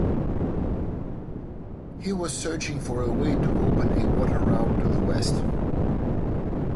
He was searching for a way to open a water route to the West.